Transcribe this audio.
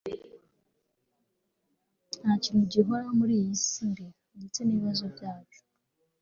nta kintu gihoraho muri iyi si mbi, ndetse n'ibibazo byacu